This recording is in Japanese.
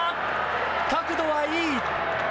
角度はいい。